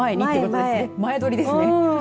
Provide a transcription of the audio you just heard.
前撮りですね。